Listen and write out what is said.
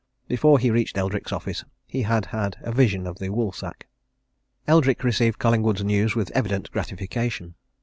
Before he reached Eldrick's office, he had had a vision of the Woolsack. Eldrick received Collingwood's news with evident gratification.